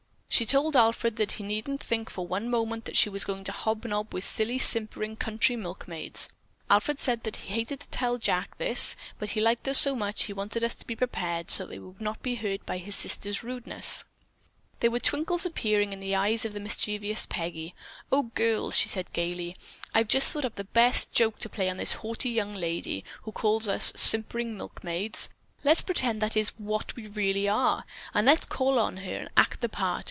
She told Alfred that he needn't think for one moment that she was going to hobnob with silly, simpering country milkmaids! Alfred said that he hated to tell Jack all this, but he liked us so much he wanted us to be prepared, so that we would not be hurt by his sister's rudeness." There were twinkles appearing in the eyes of the mischievous Peggy. "Oh, girls," she said gaily, "I've thought up the best joke to play on this haughty young lady who calls us simpering milkmaids. Let's pretend that is what we really are, and let's call on her and act the part.